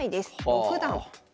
六段。